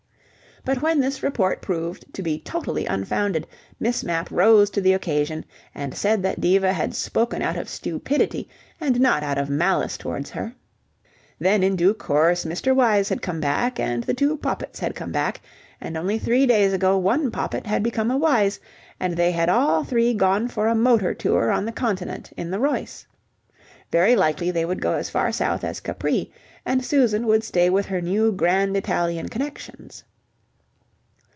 But when this report proved to be totally unfounded, Miss Mapp rose to the occasion, and said that Diva had spoken out of stupidity and not out of malice towards her. ... Then in due course Mr. Wyse had come back and the two Poppits had come back, and only three days ago one Poppit had become a Wyse, and they had all three gone for a motor tour on the Continent in the Royce. Very likely they would go as far south as Capri, and Susan would stay with her new grand Italian connections.